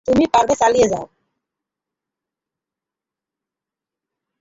তুমি পারবে, চালিয়ে যাও।